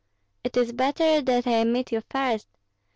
"It is better that I meet you first.